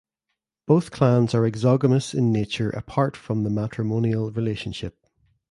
Both clans are exogamous in nature apart from the matrimonial relationship.